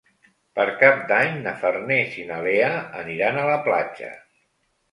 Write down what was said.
Per Cap d'Any na Farners i na Lea aniran a la platja.